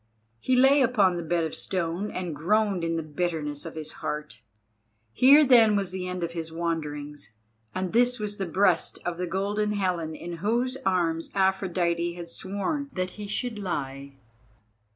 He lay upon the bed of stone and groaned in the bitterness of his heart. Here then was the end of his wanderings, and this was the breast of the Golden Helen in whose arms Aphrodite had sworn that he should lie.